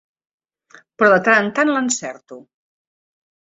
Però de tant en tant l'encerto.